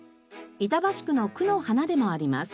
板橋区の区の花でもあります。